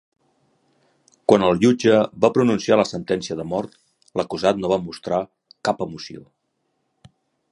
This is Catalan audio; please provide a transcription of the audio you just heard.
Quan el jutge va pronunciar la sentència de mort, l'acusat no va mostrar cap emoció.